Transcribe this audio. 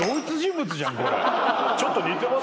確かにちょっと似てます